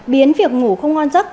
biến việc ngủ không ngon giấc